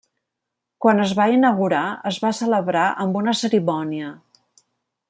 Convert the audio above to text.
Quan es va inaugurar es va celebrar amb una cerimònia.